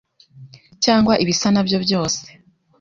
cyangwa ibisa nabyo byose